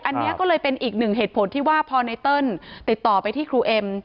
อันนี้ก็เลยเป็นอีกหนึ่งเหตุผลที่ว่าพอไนเติ้ลติดต่อไปที่ครูเอ็ม